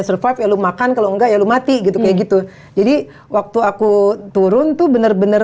survive ya lo makan kalau enggak ya lu mati gitu kayak gitu jadi waktu aku turun tuh bener bener